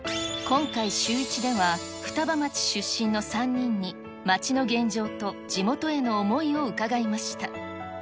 今回、シューイチでは、双葉町出身の３人に、町の現状と地元への思いを伺いました。